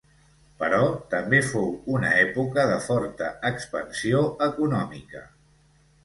Però també fou una època de forta expansió econòmica.